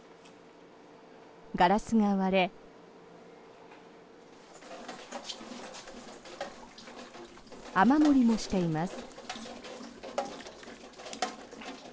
ガラスが割れ雨漏りもしています。